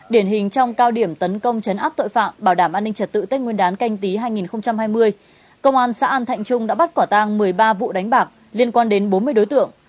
điển hình trong cao điểm tấn công chấn áp tội phạm bảo đảm an ninh trật tự tết nguyên đán canh tí hai nghìn hai mươi công an xã an thạnh trung đã bắt quả tang một mươi ba vụ đánh bạc liên quan đến bốn mươi đối tượng